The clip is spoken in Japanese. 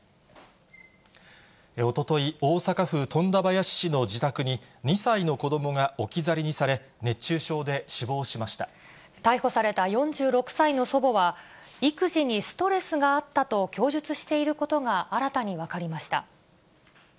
おととい、大阪府富田林市の自宅に、２歳の子どもが置き去りにされ、熱中症逮捕された４６歳の祖母は、育児にストレスがあったと供述していることが新たに分かりました。